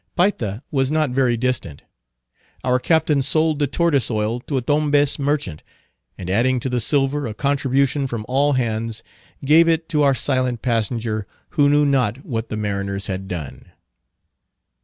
Payta was not very distant. Our captain sold the tortoise oil to a Tombez merchant; and adding to the silver a contribution from all hands, gave it to our silent passenger, who knew not what the mariners had done.